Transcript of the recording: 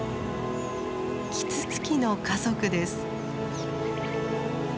キツツキの家族です。